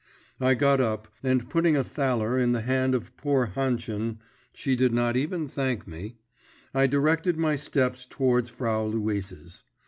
I got up, and putting a thaler in the hand of poor Hannchen (she did not even thank me), I directed my steps towards Frau Luise's.